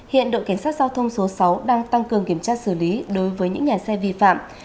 hiện đội cảnh sát giao thông số sáu đang tăng cường kiểm tra xử lý đối với những nhà xe vi phạm